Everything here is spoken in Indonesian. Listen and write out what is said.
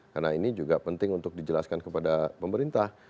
karena ini juga penting untuk dijelaskan kepada pemerintah